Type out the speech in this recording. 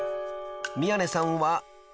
［宮根さんは］